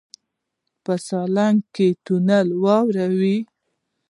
په سالنګ کې تل واوره وي.